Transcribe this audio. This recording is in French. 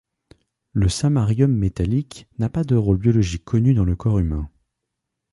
Le samarium métallique n'a pas de rôle biologique connu dans le corps humain.